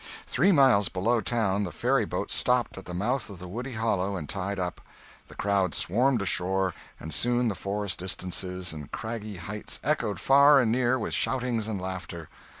Three miles below town the ferryboat stopped at the mouth of a woody hollow and tied up. The crowd swarmed ashore and soon the forest distances and craggy heights echoed far and near with shoutings and laughter.